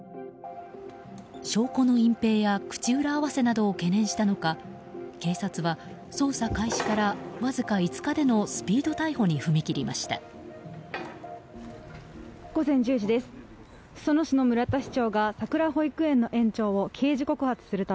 証拠の隠ぺいや口裏合わせを懸念したのか警察は捜査開始からわずか５日でのスピード逮捕に踏み切りました。